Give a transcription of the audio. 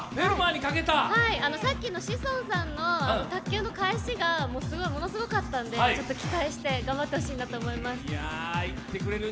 さっきの志尊さんの卓球の返しがものすごかったんで、ちょっと期待して頑張ってほしいなと思います。